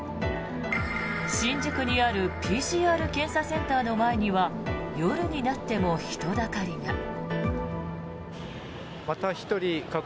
新宿にあるＰＣＲ検査センターの前には夜になっても人だかりが。